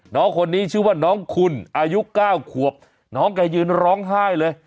น้องคนนี้ชื่อว่าน้องคุณอายุ๙ขวบน้องแกยืนร้องไห้เลย